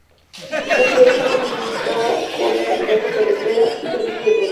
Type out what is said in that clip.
La ciudad está comunicada con la capital por carretera y servicios de trenes.